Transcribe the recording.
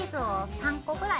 ３個ぐらい。